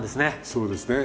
そうですね。